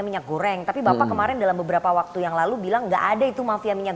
minyak goreng tapi bapak kemarin dalam beberapa waktu yang lalu bilang enggak ada itu mafia minyak